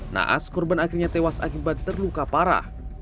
naas korban akhirnya tewas akibat terluka parah